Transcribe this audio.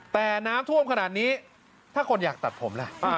แต่น้ำท่วมขนาดนี้ถ้าคนอยากตัดผมล่ะ